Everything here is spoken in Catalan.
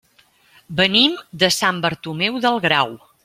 Venim de Sant Bartomeu del Grau.